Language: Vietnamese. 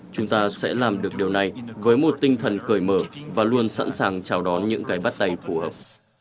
chúng ta sẽ làm được điều này với một tinh thần cởi mở và luôn sẵn sàng chào đón những cái bắt tay phù hợp